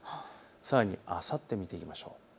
さらにあさって見ていきましょう。